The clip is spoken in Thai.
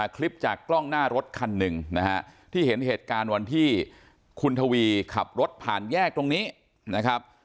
คลิปจากกล้องหน้ารถคันหนึ่งนะฮะที่เห็นเหตุการณ์วันที่คุณทวีขับรถผ่านแยกตรงนี้นะครับ